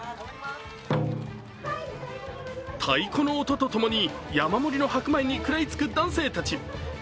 太鼓の音とともに、山盛りの白米に食らいつく男性たち。